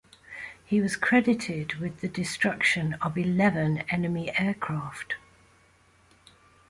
He was credited with the destruction of eleven enemy aircraft.